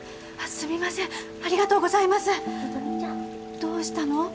どうしたの？